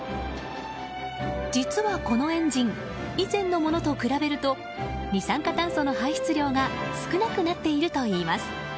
実は、このエンジン以前のものと比べると二酸化炭素の排出量が少なくなっているといいます。